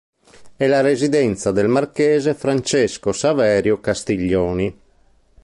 È la residenza del marchese Francesco Saverio Castiglioni.